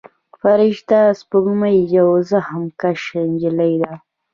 فرشته سپوږمۍ یوه زحمت کشه نجلۍ ده.